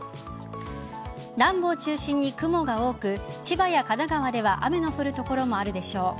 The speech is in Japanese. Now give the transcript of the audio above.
南部を中心に雲が多く千葉や神奈川では雨の降る所もあるでしょう。